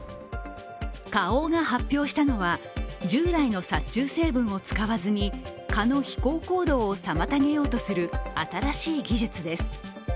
花王が発表したのは、従来の殺虫成分を使わずに蚊の飛行行動を妨げようとする新しい技術です。